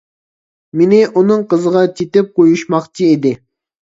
مېنى ئۇنىڭ قىزىغا چېتىپ قويۇشماقچى ئىدى.